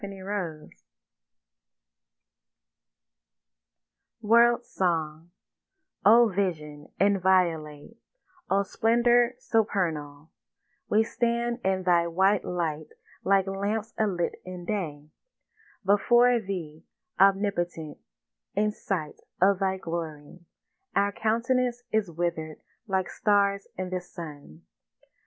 WORLD SONG O Vision inviolate, O Splendour supernal, We stand in Thy white light like lamps alit in day; Before Thee, Omnipotent, in sight of Thy glory, Our countenance is witherèd like stars in the sun.